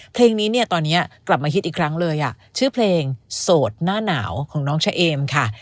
เพลงนี้เนี่ยตอนนี้กลับมาฮิตอีกครั้งเลยอ่ะชื่อเพลงโสดหน้าหนาวของน้องเฉเอมค่ะ